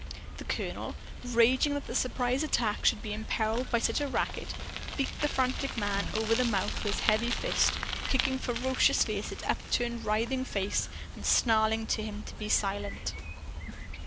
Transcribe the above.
The colonel, raging that the surprise attack should be imperiled by such a racket, beat the frantic man over the mouth with his heavy fist, kicking ferociously at his upturned writhing face, and snarling to him to be silent.